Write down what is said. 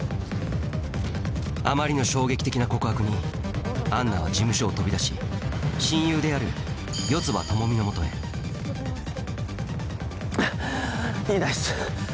あまりの衝撃的な告白にアンナは事務所を飛び出し親友である四葉朋美の元へいないっす。